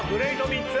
３つ！